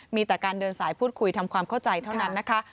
มีแต่การเดินสายพูดคุยทำความเข้าใจเท่านั้นนะคะ